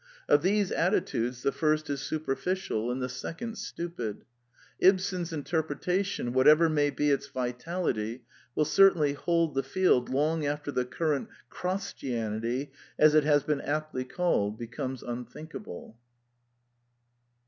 Of these attitudes the first is superficial, and the second stupid. Ibsen's interpretation, whatever may be its vitality, will certainly hold the field long after the current '* Crosstianity," as it has been aptly called, becomes unthinkable.